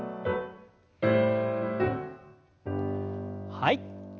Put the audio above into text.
はい。